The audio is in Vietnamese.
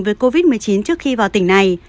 về covid một mươi chín trước khi vào tỉnh này